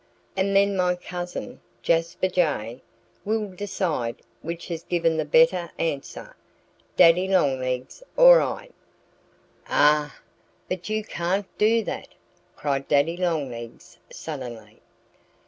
And then my cousin, Jasper Jay, will decide which has given the better answer Daddy Longlegs or I." "Ah! But you can't do that!" cried Daddy Longlegs suddenly.